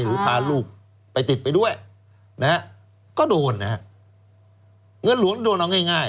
หรือพาลูกไปติดไปด้วยนะฮะก็โดนนะฮะเงินหลวงโดนเอาง่ายง่าย